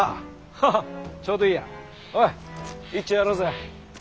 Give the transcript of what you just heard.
ハハッちょうどいいやおいいっちょやろうぜ。